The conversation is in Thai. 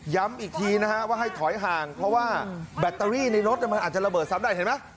ย้ำอีกทีนะฮะว่าให้ถอยห่างเพราะว่าแบตเตอรี่ในรถมันอาจจะระเบิดซ้ำได้เห็นไหม